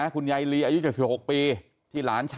คุณยายลีอายุจาก๑๖ปี